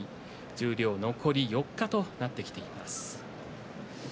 十両残り４日となっています。